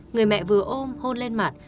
người mẹ vừa ôm hôn lên mặt